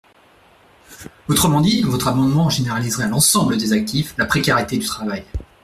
Autrement dit, votre amendement généraliserait à l’ensemble des actifs la précarité du travail.